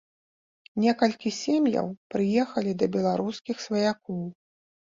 Некалькі сем'яў прыехалі да беларускіх сваякоў.